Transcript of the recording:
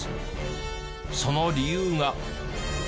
その理由が。